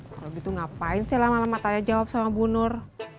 kalau gitu ngapain sih lah malah matanya jawab sama bu nur